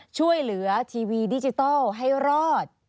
ช่วยเหลือทีวีดิจิทัลให้รอด